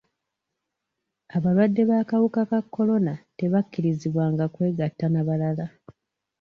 Abalwadde b'akawuka ka kolona tebakkirizibwanga kwegatta na balala.